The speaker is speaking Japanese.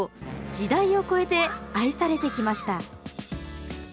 時代を超えて愛されてきました。